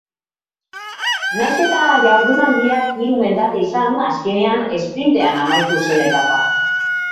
Nahiz eta jardunaldiak hiru mendate izan, azkenean esprintean amaitu zen etapa.